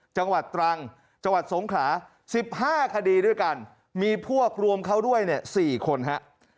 จังหวัดตรังจังหวัดสงขลา๑๕คดีด้วยกันมีพวกรวมเขาด้วยเนี่ย๔คนฮะ